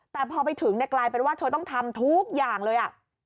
แต่พอไปถึงกลายเป็นว่าเธอต้องทำทุกอย่างเลย